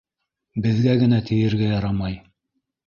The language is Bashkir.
Беҙгә генә тейергә ярамай.